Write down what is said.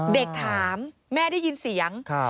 เด็กถามแม่ได้ยินเสียง